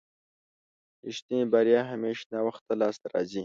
رښتينې بريا همېش ناوخته لاسته راځي.